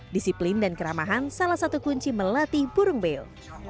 disiplin dan keramahan salah satu kunci melatih burung beo